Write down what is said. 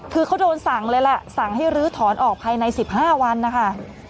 คือเขาโดนสั่งเลยแหละสั่งให้ลื้อถอนออกภายใน๑๕วันนะคะ